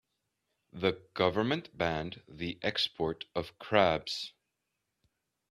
The government banned the export of crabs.